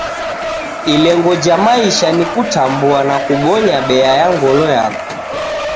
Ilengo ja maisha ni kutambua na kubonya bea ya ngolo yako.